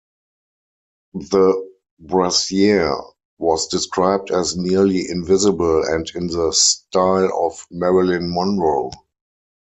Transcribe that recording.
The brassiere was described as "nearly invisible" and in the style of Marilyn Monroe.